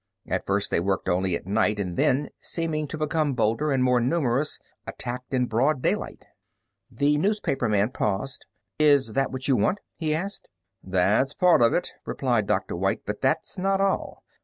"At first they worked only at night and then, seeming to become bolder and more numerous, attacked in broad daylight." The newspaperman paused. "Is that what you want?" he asked. "That's part of it," replied Dr. White, "but that's not all.